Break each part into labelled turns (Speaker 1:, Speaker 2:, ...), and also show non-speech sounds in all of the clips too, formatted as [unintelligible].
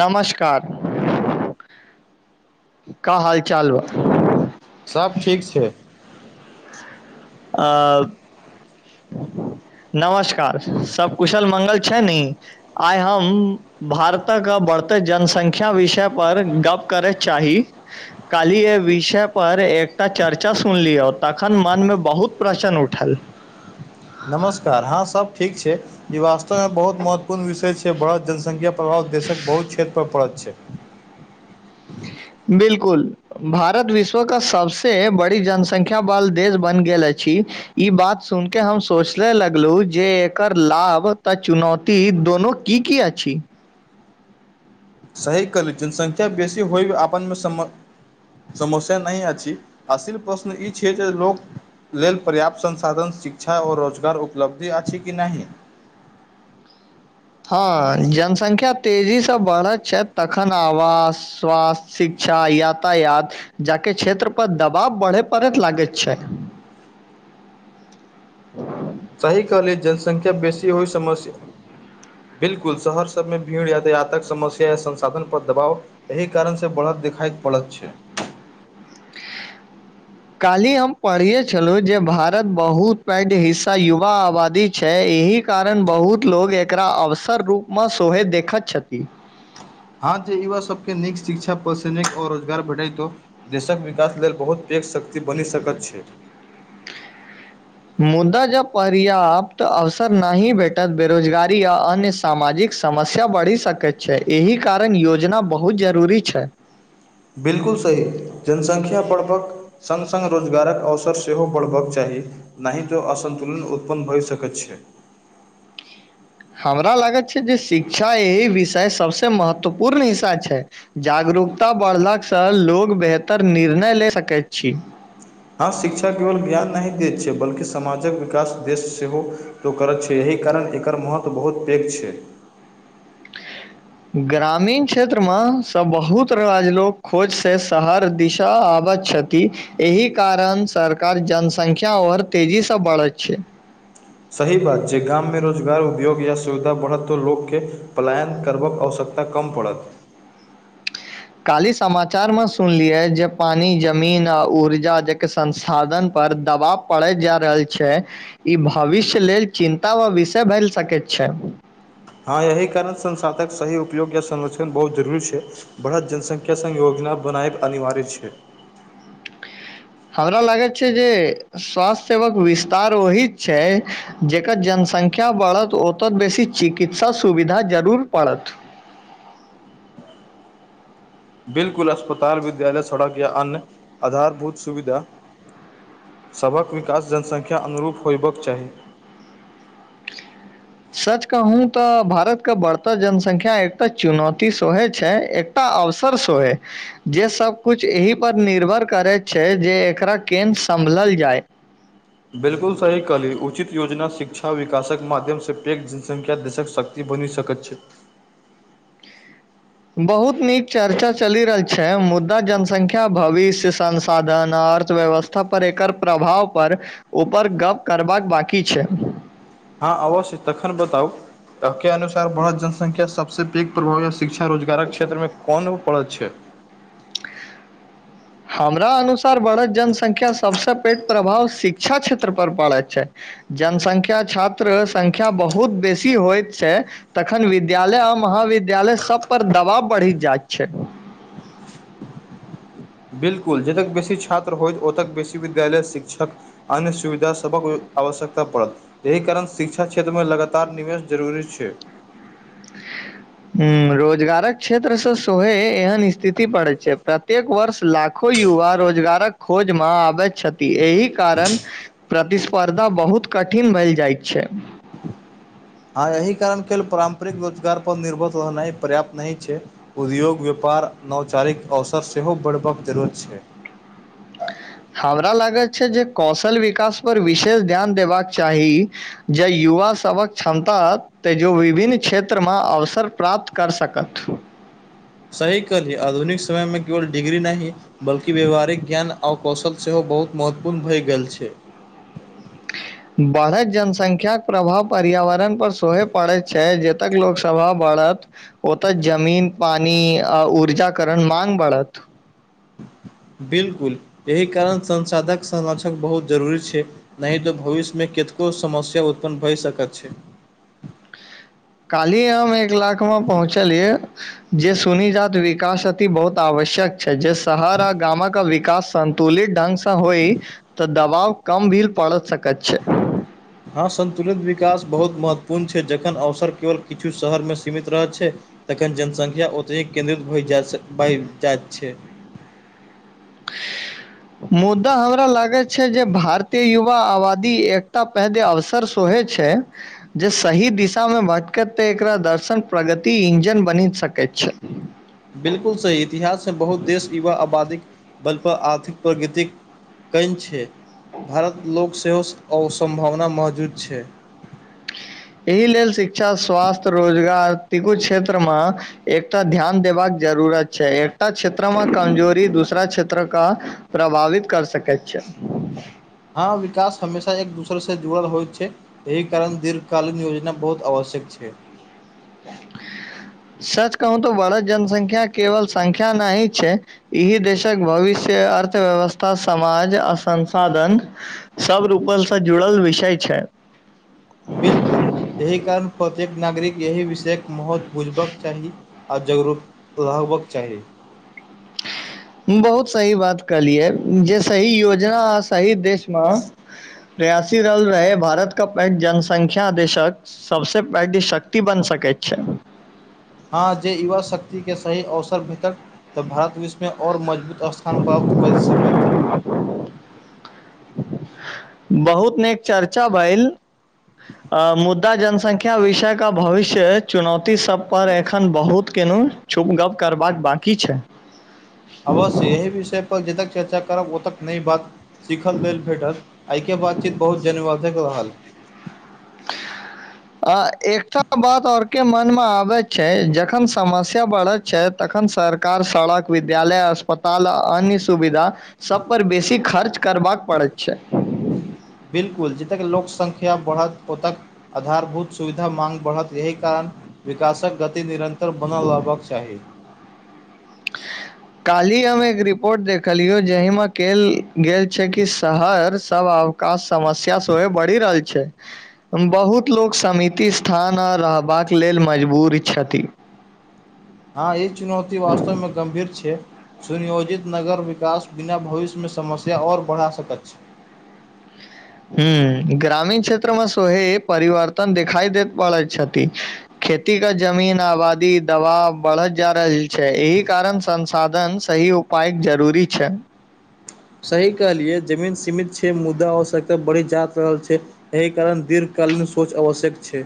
Speaker 1: नमस्कार का हाल चाल बा
Speaker 2: सब ठीक छै
Speaker 1: आ नमस्कार सब कुशल मंगल छै नी आइ हम भारतक बढ़ते जनसंख्या विषयपर गप्प करय चाही काल्हि एहि विषय पर एकटा चर्चा सुनलियौ तखन मन मे बहुत प्रश्न उठल
Speaker 2: नमस्कार हँ सब ठीक छै ई वास्तवमे बहुत महत्वपूर्ण विषय छै बड़त जनसंख्या प्रभाव देशक बहुत क्षेत्र पर पड़त छै
Speaker 1: बिलकुल भारत विश्वके सभसँ बड़ी जनसंख्या बाल देश बनि गेल अछि ई बात सुन के हम सोचले लगलहु जे एकर लाभ तऽ चुनौती ती दोनो की की अछि
Speaker 2: सही कहली जनसंख्या बेसी होइब आपनमे सम समस्या नहि अछि असली प्रश्न ई छै जे लोक लेल पर्याप्त संसाधन शिक्षा और रोजगार उपलब्धि अछि कि नहि
Speaker 1: हँ जनसंख्या तेजीसँ बढ़ैत छथि तखन आवास स्वास्थ्य शिक्षा यातायात जाके क्षेत्र पर दबाव बढ़े परैत लागैत छैय।
Speaker 2: सही कहलियै जनसंख्या बेसी होइ समस्य बिलकुल शहर सबमे भीड़ यातायातक समस्या या संसाधनपर दबाव एहि कारणसँ बढ़त देखाइत पड़त छैय।
Speaker 1: [inaudible] काल्हि हम पढ़िये छलहुँ जे भारत बहुत पैघ हिस्सा युवा आबादी छैय एहि कारण बहुत लोक एकरा अवसर रूपमे सोहे देखैत छथि।
Speaker 2: हँ जे युवा सभके नीक शिक्षा पर से नीक और रोजगार बढ़ाईतओ देशक विकास लेल बहुत पैघ शक्ति बनि सकैत छैय।
Speaker 1: मुद्दा जब पर्याप्त अवसर नहि भेटत बेरोजगारी आ अन्य सामाजिक समस्या बढ़ि सकैत छैय एहि कारण योजना बहुत जरूरी छैय।
Speaker 2: बिलकुल सही जनसंख्या बढ़बक संग संग रोजगारक अवसर सेहो बढ़बाक चाही। नहि तो असन्तुलन उत्पन्न भय सकैत छैय।
Speaker 1: हमरा लागैत छैय जे शिक्षा एहि विषय सबसे महत्वपूर्ण हिस्सा छैय। जागरूकता बढ़लासँ लोक बेहतर निर्णय ले सकैत छी।
Speaker 2: हँ शिक्षा केवल ज्ञान नहि दै छैय बल्कि समाजक विकास देश सेहो तो करत छैय एहि कारण एकर महत्व बहुत पैघ छैय।
Speaker 1: ग्रामीण क्षेत्रमे सँ बहुत राज लोक खोजसँ शहर दिशा आबैत छथि। कि एहि कारण सरकार जनसंख्या और तेजीसँ बढ़ैत छैय।
Speaker 2: सही बात छैय गाममे रोजगार उपयोग या सुविधा बढ़त त लोकके पलायन करबाक आवश्यक तऽ कम पड़त।
Speaker 1: काल्हि समाचारमे सुनलियै जे पानि जमीन आ ऊर्जाक संसाधन पर दबाव पड़ैत जा रहल छैय ई भविष्य लेल चिन्ता वा विषय भेल सकैत छैय।
Speaker 2: हँ एहि कारण संसाधक सही उपयोग या संरक्षण बहुत जरूरी छैय। बढ़त जनसंख्या सङ्घ योजना बनायब अनिवार्य छैय।
Speaker 1: हमरा लागैत छैय जे स्वास्थ्य सेवक विस्तार ओही छैय जकर जनसंख्या बढ़त ओतऽ बेसी चिकित्सा सुविधा जरूर पड़त।
Speaker 2: बिलकुल अस्पताल विद्यालय सड़क या अन्य आधारभूत सुविधा सभक विकास जनसंख्या अनुरूप होयबाक चाही।
Speaker 1: सच कहूँ तऽ भारतक बढ़त जनसंख्या एकटा चुनौती सोहे छैय एक एकटा अवसर सोहे जे सब कुछ एहि पर निर्भर करैत छैय जे एकरा केन सम्भलल जाय।
Speaker 2: बिल्कुल सही कहालीई उचित योजना शिक्षा विकासक माध्यमसँ पैघ जनसङख्या दकस सक ई बुनी सकैत छैथ।
Speaker 1: बहुत नीक चर्चा चलि रहल छैय मुद्दा जनसंख्या भविष्य संसाधन अर्थव्यवस्था सब एकर प्रभाव पर ऊपर गप करबाक बकी छैय।
Speaker 2: हँ अवश्य तखन बताउ सब के अनुसार बढ़त जनसंख्या सबस पैघ उतपारत या शिक्षा रोजगारक क्षेत्रमे कोन उतपारत छैय।
Speaker 1: [inaudible] हमरा अनुसार बढ़त जनसंख्या सबस पैघ प्रभाव शिक्षा क्षेत्र पर पड़ैत छैय। जनसंख्या छात्र संख्या बहुत बेसी होइत छैय। तखन विद्यालय आ महाविद्यालय सब पर दबाव बढ़ी जाइत छैय। [inaudible]
Speaker 2: बिलकुल जतेक बेसी छात्र होइ ओतक बेसी विद्यालय शिक्षक अन्य सुविधासभक आवश्यकता पड़त। एहि कारण शिक्षा क्षेत्रमे लगातार निवेश जरूरी छैय।
Speaker 1: [inaudible] हुँ रोजगारक क्षेत्र से सोहे एहन स्थिति पड़ैत छै प्रत्येक वर्ष लाख लखो युव रोजगारक खोजमे आबेत छथि एहि कारण प्रतिस्पर्धा बहुत कठिन भेल जाइत छै
Speaker 2: हँ एहि कारणके लेल पारम्परिक रोजगारपर निर्भर रहनाइ पर्याप्त नहि छै उद्योग व्यापार नवचारिक अवसर सेहो बढ़बाक जरूरत छै
Speaker 1: [inaudible] हमरा लागैत छै जे कौशल विकास पर विशेष ध्यान देबाक चाही जे युवा सभक क्षमता तऽँ जो विभिन्न क्षेत्रमे अवसर प्राप्त करऽ सकथ
Speaker 2: सही कहालि आधुनिक समय मे केवल डिग्री नहि बल्कि व्यावहारिक ज्ञान अब कौशल सेहो बहुत महत्वपूर्ण भए गेल छै
Speaker 1: बढ़ैत जनसंख्याके प्रभाव पर्यावरण पर सोहे पड़ैत छै जतय लोकसभा बढ़त ओतऽ जमीन पानी आ ऊर्जा करण मंग बढ़त
Speaker 2: बिल्कुल एहि कारण संसाधक संरक्षक बहुत जरूरी छै नहि तो भविष्य मे कतको समस्या उत्पन्न भए सकत छै
Speaker 1: कालहि हम एक लाखमे पहुँचलियै जे सुनी जात विकास आति बहुत आवश्यक छै जे शहर आ गामक विकास तुलित ढंग से होइ तऽ दबाव कम भी पड़ सकैत छै
Speaker 2: हँ सन्तुलित विकास बहुत महत्वपूर्ण छै जखन अवसर केवल किछु शहरमे सीमित रहैत छै तखन जनसंख्या ओतहि केन्द्रित भ जा बहि जाइत छै
Speaker 1: [unintelligible] मुद्दा हमरा लागे छै जे भारतीय युवा आबादी एकता पैघ अवसर सोहै छै जे सही दिशा मे भटकत ते एकरा दर्शन प्रगति इंजन बनि सकैत छै
Speaker 2: बिलकुल सही इतिहास मे बहुत देश युवा आबादी बल पर आर्थिक प्रगृतिक कैन छै भारत लोक सेहो असम्भावना मौजूद छै
Speaker 1: एहि लेल शिक्षा स्वास्थ्य रोजगार तिकु क्षेत्र म एकटा ध्यान देबाक जरूुरत छै एकटा क्षेत्र मे कमजोरी दूसरा क्षेत्र क प्रभावित कर सकैत छै
Speaker 2: हँ विकास हमेशा एक दोसरसँ जुड़ल होइत छै एहि कारण दीर्घ कालीन योजना बहुत आवश्यक छै
Speaker 1: सच कहू त बढ़त जनसंख्या केवल संख्या नही छै एहि देशक भविष्य अर्थव्यवस्था समाज आ संसाधन सब रूपलसँ जुड़ल विषय छै
Speaker 2: बिलकुल एहि कारण प्रत्येक नागरिक एहि विषयके महत्व बुझबाक चाही आओर जागरूक रहबक चाही
Speaker 1: [inaudible] बहुत सही बात कहलियै जे सही योजना आ सही देश मऽ प्रयासी रल रहै भारत का पैघ जनसंख्या देेशक सबसँ पैघ शक्ति बन सकैत छै
Speaker 2: हँ जे युवा शक्ति के सही अवसर भेटत तऽ भारत विश्वमे आओर मजबूत स्थान प्राप्त कैर सकत
Speaker 1: बहुत नीक चर्चा भइल मुद्दा जनसंख्या विषयके भविष्य चुनौती सभपर एखन बहुत केलहुँ छुप गप्प करबाक बाकी छै
Speaker 2: अवश्य यही विषय पर ज तक चर्चा करब ओतक नई बात सीखल लेल भेटल एहिके बातचीत बहुत जन्यवाधक रहल
Speaker 1: [inaudible] अ एकटा बात और के मन मे आबे छै जखन समस्या बढ़ैत छै तखन सरकार सड़क विद्यालय अस्पताल अन्य सुविधा सभ पर बेसी खर्च करबाक पड़ैत छै।
Speaker 2: बिल्कूल जतेक लोकसंख्या बढ़त ओतऽ आधारभूत सुविधा माँग बढ़त यह कारण। विकासक गति निरन्तर बनल लेबाक चाही।
Speaker 1: [inaudible] काल्हि हम एकटा रिपोर्ट देखलहुँ, जाहिमे कहल गेल छल जे शहरसभ आब का समस्या सेहोह बढ़ि रहल छै। बहुत लोक समिति स्थान आर रहबाक लेल मजबूर छथि।
Speaker 2: हँ ई चुनौती वास्तवमे गम्भीर छै। सुनियोजित नगर विकास बिना भविष्यमे समस्या आओर बढ़ा सकैत छै।
Speaker 1: हँ, ग्रामीण क्षेत्रमे सेहो परिवर्तन देखाइ देबऽ खेतीक जमीनपर आबादीक दबाव बढ़ैत जा रहल अछि, एहि कारण संसाधनक सही उपयोग पाइक जरूरी छै।
Speaker 2: सही कहलियै जमीन सीमित छै। मुदा आवश्यकता बढ़ी जा रहल छै। एहि कारण दीर्घकालीन सोच आवश्यक छै।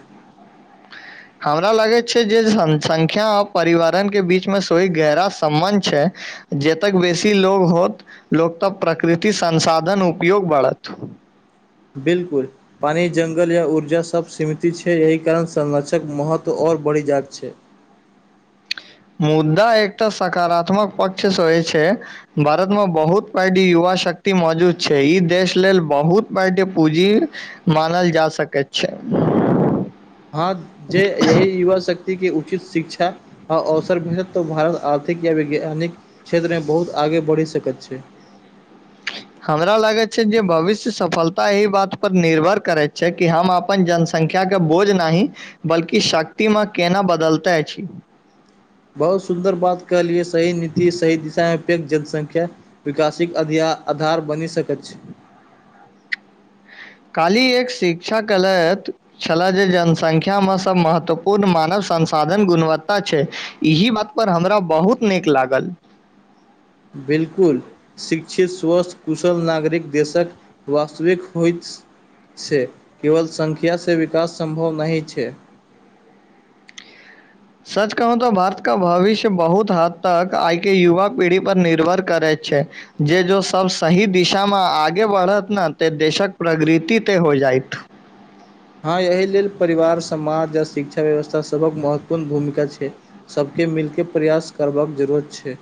Speaker 1: हमरा लगैत अछि जे जनसंख्या आ पर्यावरणक बीचमे सेहो गहिर सम्बन्ध छै। जतेक बेसी लोक होयत, ततेक प्रकृतिक संसाधनक उपयोग बढ़त।
Speaker 2: बिल्कूल पानि, जंगल आ ऊर्जा सभ सीमित अछि, एहि कारण संरक्षणक महत्व आओर बढ़ि जाइत अछि।
Speaker 1: मुद्दा एकटा सकारात्मक पक्ष सेहो छै। भारतमे बहुत पैघ युवा शक्ति मौजूद अछि, ई देश लेल बहुत पैघ पूँजी अछि। मानल जा सकैत छै।
Speaker 2: हँ, जे एहि युवा शक्तिकेँ उचित शिक्षा आ अवसर भेटत, तऽ भारत आर्थिक आ वैज्ञानिक क्षेत्रमे बहुत आगाँ बढ़ि सकैत अछि।
Speaker 1: हमरा लगैत अछि जे भविष्यक सफलता एहि बातपर निर्भर करैत अछि जे हम अपन जनसंख्या के बोझ नहि बल्कि शक्ति मे केना बदलते अछि।
Speaker 2: बहुत सुन्दर बात कहलियै सही नीति सही दिशामे पैघ जनसंख्या। विकासिक आधार बनि सकैत छै।
Speaker 1: काल्हि एक शिक्षा कहलथि छला जे जनसंख्यामे सभ महत्वपूर्ण मानव संसाधन गुणवत्ता छै। इही बात पर हमरा बहुत नीक लागल।
Speaker 2: बिल्कूल शिक्षित, स्वस्थ, कुशल, नागरिक देशक वास्तविक होइत से केवल संख्या से विकास सम्भव नहि छै।
Speaker 1: सच कहूं तऽ भारत का भविष्य बहुत हद तक आइ के युवा पीढ़ी पर निर्भर करैत छै। जे जो सभ सही दिशामे आगे बढ़त न ते देशक प्रगृति तै हो जायत।
Speaker 2: हँ एहि लेल परिवार, समाज आ शिक्षा व्यवस्था सभक महत्वपूर्ण भूमिका छै। सभके मिलकेऽ प्रयास करबाक जरूरत छै।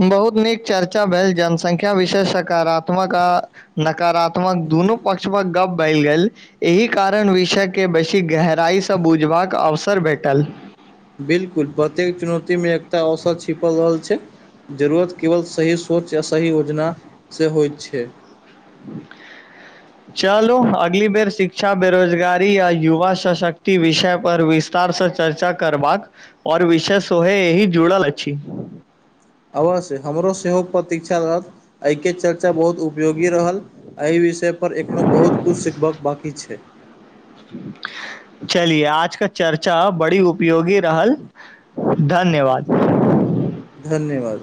Speaker 1: बहुत नीक चर्चा भेल जनसंख्या विषय सकारात्मक आ नकारात्मक दोनो पक्षमे गप भैल गेल। एहि कारण विषयके बेसी गहराइसँ बुझबाक अवसर भेटल।
Speaker 2: बिल्कूल प्रत्येक चुनौती मे एकटा अवसर छिपल रहल छै। जरूरत केवल सही सोच या सही योजनासँ होइत छै।
Speaker 1: [inaudible] चलू अगली बेर शिक्षा, बेरोजगारी या युवा सशक्ति, विषय पर विस विस्तार से चर्चा करबाक और विषय सोहे एही जुड़ल अछि।
Speaker 2: अवश्य हमरो सेहो प्रतीक्षा रहत एहि के चक चर्चा बहुत उपयोगी रहल एहि विषय पर एखनो बहुत किछु सीखबाक बाकी छै।
Speaker 1: [inaudible] चलिए आज का चर्चा बड़ी उपयोगी रहल धन्यवाद।
Speaker 2: धन्यवाद